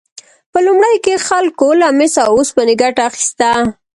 په لومړیو کې خلکو له مسو او اوسپنې ګټه اخیسته.